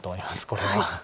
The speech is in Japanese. これは。